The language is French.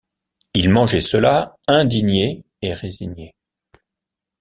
Il mangeait cela, indigné et résigné.